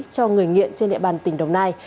cho người nghiện trên địa bàn tỉnh đồng nai